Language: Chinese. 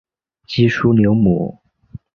基舒纽姆。